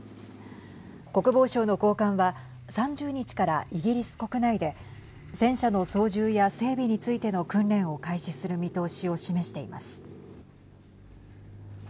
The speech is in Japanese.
国防省の高官は３０日からイギリス国内で戦車の操縦や整備についての訓練を開始する見通しを示しています。